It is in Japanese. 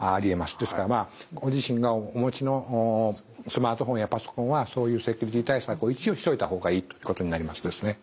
ですからご自身がお持ちのスマートフォンやパソコンはそういうセキュリティー対策を一応しといた方がいいということになります。